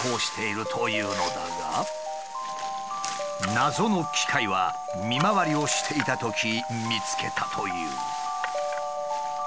謎の機械は見回りをしていたとき見つけたという。